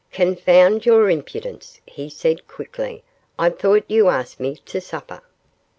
'Confound your impudence,' he said, quickly, 'I thought you asked me to supper.